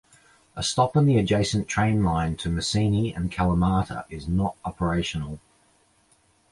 A stop on the adjacent train line to Messini and Kalamata is not operational.